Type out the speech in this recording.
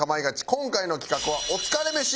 今回の企画はお疲れ飯！